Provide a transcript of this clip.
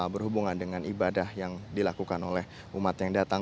berhubungan dengan ibadah yang dilakukan oleh umat yang datang